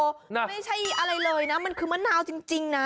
ไม่ใช่อะไรเลยนะมันคือมะนาวจริงนะ